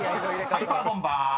［ハイパーボンバー第１問］